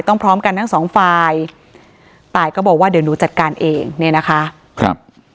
พร้อมพร้อมกันทั้งสองฝ่ายตายก็บอกว่าเดี๋ยวหนูจัดการเองเนี่ยนะคะครับ